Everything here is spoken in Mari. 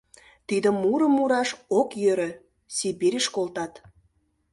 Тиде мурым мураш ок йӧрӧ, Сибирьыш колтат.